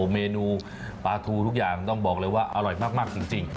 เมนูปลาทูทุกอย่างต้องบอกเลยว่าอร่อยมากจริง